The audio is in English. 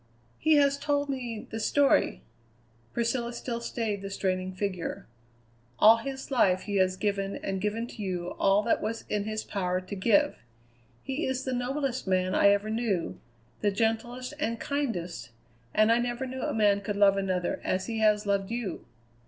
"He has told me the story." Priscilla still stayed the straining figure. "All his life he has given and given to you all that was in his power to give. He is the noblest man I ever knew, the gentlest and kindest, and I never knew a man could love another as he has loved you.